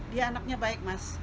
dia anaknya baik mas